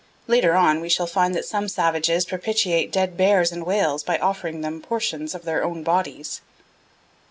Later on we shall find that some savages propitiate dead bears and whales by offering them portions of their own bodies.